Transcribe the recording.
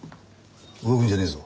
動くんじゃねえぞ。